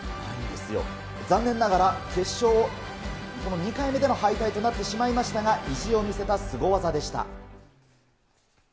残念ながら決勝、この２回目での敗退となってしまいましたが、意地を見せたすご技でした。